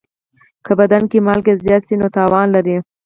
که بدن کې مالګه زیاته شي، نو تاوان لري.